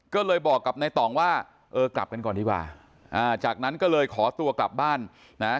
ก็เลยบอกกับในต่องว่าเออกลับกันก่อนดีกว่าอ่าจากนั้นก็เลยขอตัวกลับบ้านนะฮะ